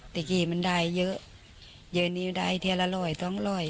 เต็กกี้มันได้เยอะเยอะนี้ได้เทียนละร้อยสองร้อย